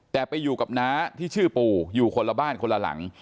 แต่ไปอยู่กับน้าที่ชื่อปู่อยู่คนละบ้านคนละหลัง